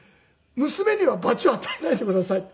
「娘には罰を与えないでください。